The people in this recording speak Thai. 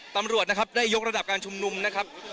ตำรวจนะครับได้ยกระดับการชุมนุมนะครับ